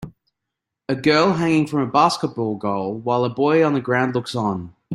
A girl hanging from a basketball goal while a boy on the ground looks on.